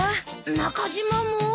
中島も？